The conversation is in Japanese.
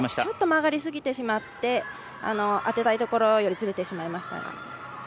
ちょっと曲がりすぎてしまって当てたいところよりずれてしまいました。